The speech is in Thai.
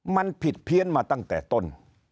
มันผิดเพี้ยนมาตั้งแต่ต้น